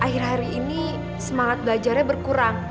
akhir hari ini semangat belajarnya berkurang